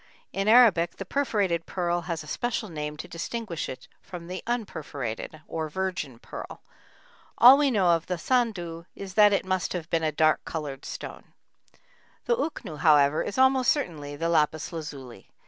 In Arabic the perforated pearl has a special name to distinguish it from the unperforated, or "virgin pearl." All we know of the sându is that it must have been a dark colored stone. The uknû, however, is almost certainly the lapis lazuli.